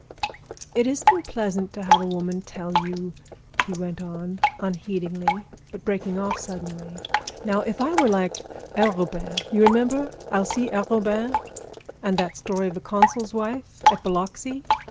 _" "It isn't pleasant to have a woman tell you—" he went on, unheedingly, but breaking off suddenly: "Now if I were like Arobin—you remember Alcée Arobin and that story of the consul's wife at Biloxi?"